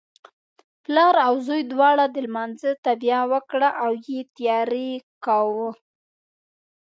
پلار او زوی دواړو د لمانځه تابیا وکړه او یې تیاری کاوه.